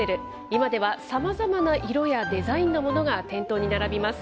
今ではさまざまな色やデザインのものが店頭に並びます。